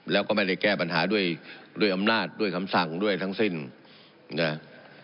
แล้วก็ไม่ได้แก้ปัญหาด้วยด้วยอำนาจด้วยคำสั่งด้วยทั้งสิ้นนะ